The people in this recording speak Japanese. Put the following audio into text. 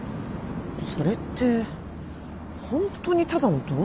それってホントにただの同居人か？